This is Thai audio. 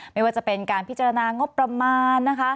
ไม่ว่าจะเป็นการพิจารณางบประมาณนะคะ